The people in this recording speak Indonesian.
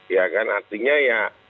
ya kan artinya ya